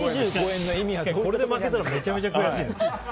これで負けたらめちゃめちゃ悔しい。